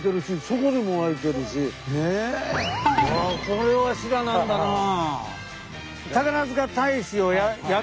これは知らなんだなあ！